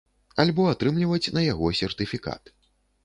Альбо атрымліваць на яго сертыфікат.